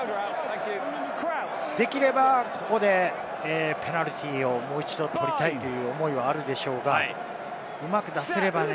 できればここでペナルティーをもう一度取りたいという思いはあるでしょうが、うまく出せればね。